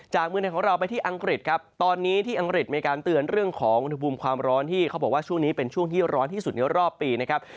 เมืองไทยของเราไปที่อังกฤษครับตอนนี้ที่อังกฤษมีการเตือนเรื่องของอุณหภูมิความร้อนที่เขาบอกว่าช่วงนี้เป็นช่วงที่ร้อนที่สุดในรอบปีนะครับ